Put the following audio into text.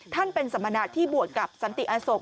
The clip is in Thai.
ท่านเป็นสมณะที่บวชกับสันติอโศก